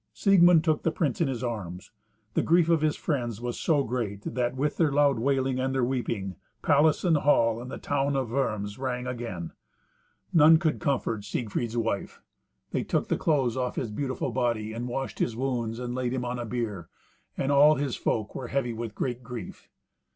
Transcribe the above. Siegmund took the prince in his arms; the grief of his friends was so great that, with their loud wailing and their weeping, palace and hall and the town of Worms rang again. None could comfort Siegfried's wife. They took the clothes off his beautiful body, and washed his wounds and laid him on a bier, and all his folk were heavy with great grief.